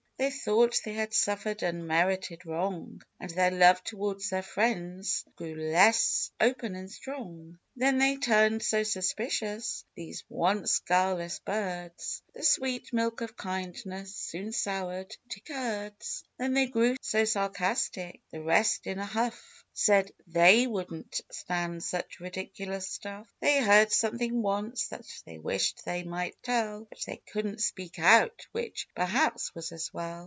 They thought they had suffered unmerited wrong, And their love towards their friends grew less open and strong. Then they turned so suspicious, these once guile less birds ; The sweet milk of kindness soon soured to curds. Then they grew so sarcastic ; the rest in a huff, Said they wouldn't stand such ridiculous stuff; They heard something once that they wished they might tell, But they couldn't speak out, — which, perhaps, was as well.